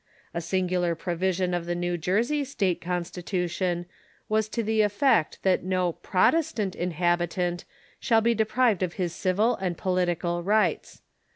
A singular provision of the New Jersey state constitution was to the ef fect tliat no Protestant inhabitant shall be deprived of his civil and political rights.